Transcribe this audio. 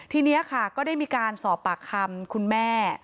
ทีนี้ค่ะก็ได้มีการสอบปากคำคุณแม่